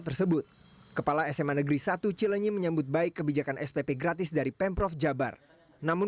tersebut kepala sma negeri satu cilenyi menyambut baik kebijakan spp gratis dari pemprov jabar namun